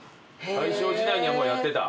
大正時代にはもうやってた。